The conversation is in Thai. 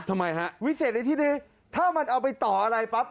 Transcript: ทำไมฮะวิเศษในที่นี้ถ้ามันเอาไปต่ออะไรปั๊บ